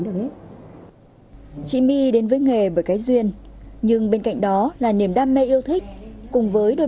đứng chị my đến với nghề bởi cái duyên nhưng bên cạnh đó là niềm đam mê yêu thích cùng với đôi